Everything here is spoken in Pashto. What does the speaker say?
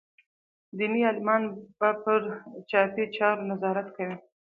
دیني عالمان به پر چاپي چارو نظارت کوي.